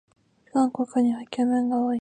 韓国にはイケメンが多い